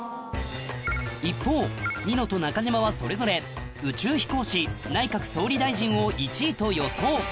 一方ニノと中島はそれぞれ宇宙飛行士内閣総理大臣を１位と予想